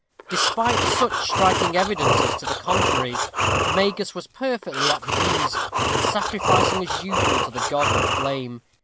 Despite such striking evidences to the contrary, the Magus was perfectly at his ease, and sacrificing as usual to the god of flame.